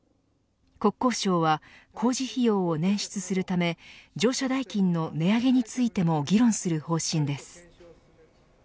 国交省は工事費用を捻出するため乗車代金の値上げについても議論する方針です。